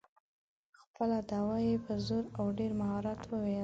خپله دعوه یې په زور او ډېر مهارت وویله.